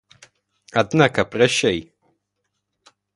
Однако прощай!